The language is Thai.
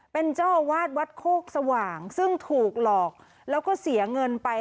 เป็นเจ้าอาวาสวัดโคกสว่างซึ่งถูกหลอกแล้วก็เสียเงินไป